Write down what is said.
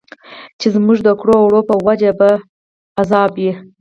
چې زموږ د کړو او وړو په وجه به په عذاب وي.